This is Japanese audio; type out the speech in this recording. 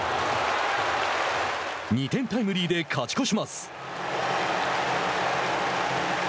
２点タイムリーで勝ち越します。